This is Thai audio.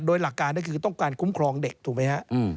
โดยหลักการก็คือต้องการคุ้มครองเด็กถูกไหมฮะ